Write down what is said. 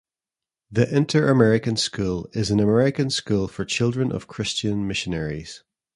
The Inter-American School is an American school for the children of Christian missionaries.